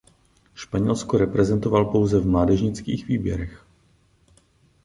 Španělsko reprezentoval pouze v mládežnických výběrech.